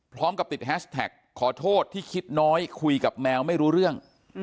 พร้อมกับติดแฮชแท็กขอโทษที่คิดน้อยคุยกับแมวไม่รู้เรื่อง